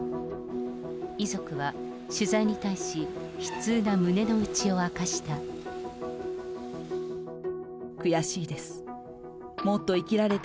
遺族は取材に対し、悲痛な胸の内を明かした。